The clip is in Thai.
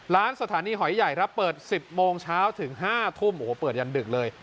สถานีหอยใหญ่ครับเปิด๑๐โมงเช้าถึง๕ทุ่มโอ้โหเปิดยันดึกเลย